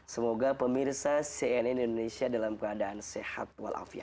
semoga pemirsa cnn indonesia dalam keadaan sehat dan al afiyat